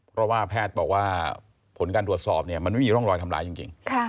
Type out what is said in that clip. เพราะว่าแพทย์บอกว่าผลการตรวจสอบเนี่ยมันไม่มีร่องรอยทำร้ายจริง